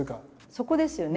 そこですよね。